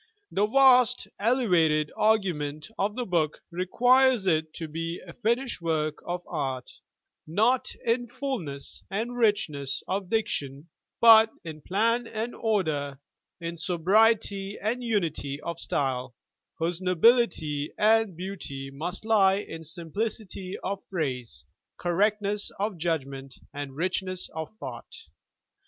The vast, elevated argument of the book requires it be a finished work of art, not in fullness and richness of diction, but in plan and order, in sobriety and unity of style, whose nobility and beauty must lie in simplicity of phrase, correctness of judg ment and richness of thought.